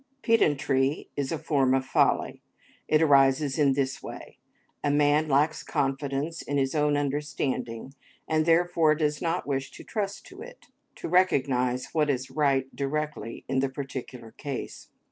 Pedantry is a form of folly. It arises in this way: a man lacks confidence in his own understanding, and, therefore, does not wish to trust to it, to recognise what is right directly in the particular case.